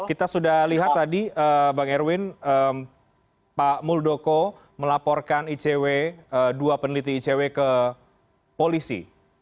kita sudah lihat tadi bang erwin pak muldoko melaporkan icw dua peneliti icw ke polisi